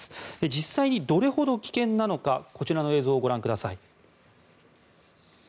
実際にどれほど危険なのかこちらの映像をご覧ください。